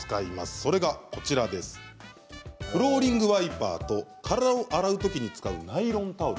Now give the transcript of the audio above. それがフローリングワイパーと体を洗うときに使うナイロンタオル。